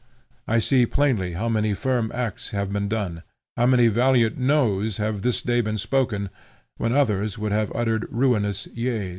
I see plainly how many firm acts have been done; how many valiant noes have this day been spoken, when others would have uttered ruinous yeas.